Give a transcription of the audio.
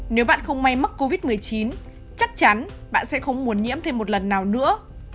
nếu bạn không may mắc covid một mươi chín chắc chắn bạn sẽ không muốn nhiễm thêm một lần nào nữa